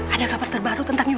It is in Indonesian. ada kabar terbaru tentang ini